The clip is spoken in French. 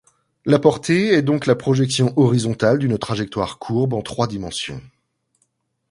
La portée est donc la projection horizontale d'une trajectoire courbe en trois dimensions.